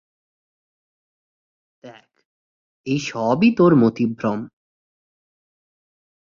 দেখ,,এই সবই তোর মতিভ্রম।